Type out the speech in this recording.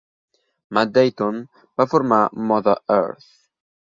Matt Deighton va formar Mother Earth.